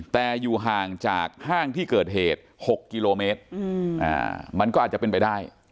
แต่อยู่ห่างจากห้างที่เกิดเหตุ๖กิโลเมตรมันก็อาจจะเป็นไปได้